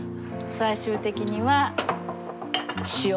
最終的には塩。